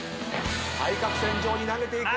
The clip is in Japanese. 対角線上に投げていく。